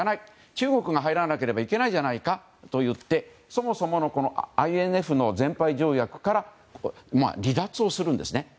中国が入らなければいけないんじゃないかといってそもそものＩＮＦの全廃条約から離脱するんです。